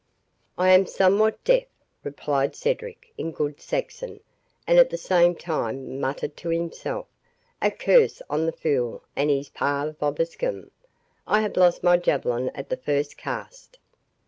"I am somewhat deaf," replied Cedric, in good Saxon, and at the same time muttered to himself, "A curse on the fool and his 'Pax vobiscum!' I have lost my javelin at the first cast."